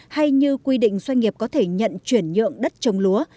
hay như quy định doanh nghiệp có thể nhận chuyển nhượng đất trồng lúa